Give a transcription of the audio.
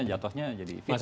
jatuhnya jadi fitnah